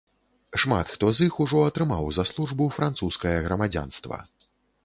Шмат хто з іх ужо атрымаў за службу французскае грамадзянства.